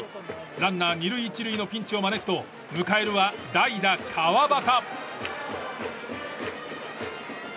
ランナー２塁１塁のピンチを招くと迎えるは代打、川端。